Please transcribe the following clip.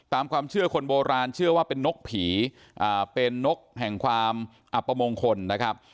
ตามความเชื่อคนโบราณเชื่อว่าเป็นนกผีเป็นนกแห่งความอัปมงคลนะครับ